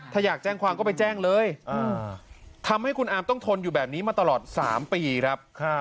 ถ้าอยากแจ้งความก็ไปแจ้งเลยทำให้คุณอามต้องทนอยู่แบบนี้มาตลอด๓ปีครับ